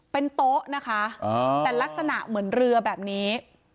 เป็นโต๊ะนะคะแต่ลักษณะเหมือนเรือแบบนี้